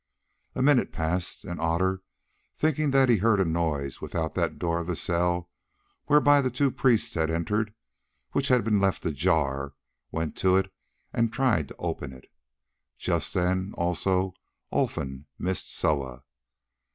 A minute passed, and Otter, thinking that he heard a noise without that door of the cell whereby the two priests had entered, which had been left ajar, went to it and tried to open it. Just then, also, Olfan missed Soa.